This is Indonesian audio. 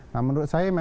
nah menurut saya memang